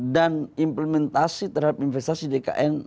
dan implementasi terhadap investasi di ikn